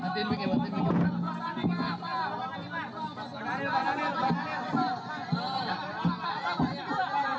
ya berikutnya saya mengucapkan jaasan semula